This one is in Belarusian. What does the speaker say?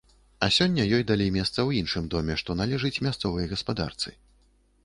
А сёння ёй далі месца ў іншым доме, што належыць мясцовай гаспадарцы.